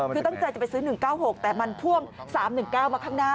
คือตั้งใจจะไปซื้อ๑๙๖แต่มันพ่วง๓๑๙มาข้างหน้า